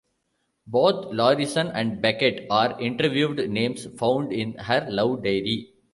Both Lorrison and Backett are interviewed, names found in her love diary.